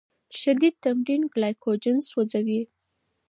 شدید تمرین ګلایکوجن سوځوي.